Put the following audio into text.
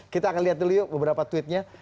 kita akan lihat dulu yuk beberapa tweetnya